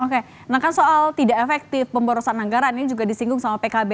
oke nah kan soal tidak efektif pemborosan anggaran ini juga disinggung sama pkb